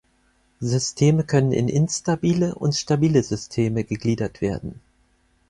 Systeme können in instabile und stabile Systeme gegliedert werden.